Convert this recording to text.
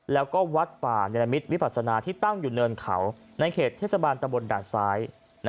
แล้วก็วัดป่าเนรมิตวิปัสนาที่ตั้งอยู่เนินเขาในเขตเทศบาลตะบนด่านซ้าย